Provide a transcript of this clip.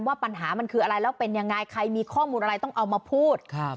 ว่าปัญหามันคืออะไรแล้วเป็นยังไงใครมีข้อมูลอะไรต้องเอามาพูด